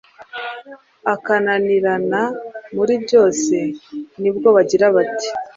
akananirana muri byose; ni bwo bagira, bati: “